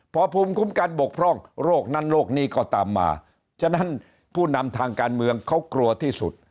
พอภูมิคุ้มกันบกพร่องโรคนั้นโรคนี้ก็ตามมาฉะนั้นผู้นำทางการเมืองเขากลัวที่สุด